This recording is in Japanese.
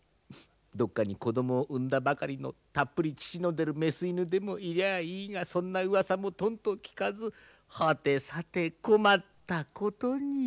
どっかに子どもを産んだばかりのたっぷり乳の出る雌犬でもいりゃあいいがそんなうわさもとんと聞かずはてさて困ったことに。